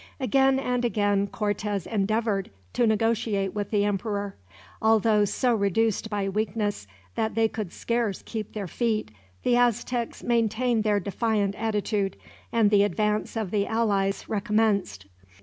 Again and again Cortez endeavored to negotiate with the emperor. Although so reduced by weakness that they could scarce keep their feet, the Aztecs maintained their defiant attitude, and the advance of the allies recommenced.